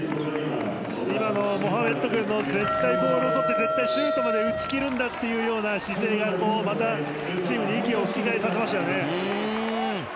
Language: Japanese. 今のモハメッド君の絶対ボールを取って絶対シュートまで打ち切るんだという姿勢がまたチームに息を吹き返させましたよね。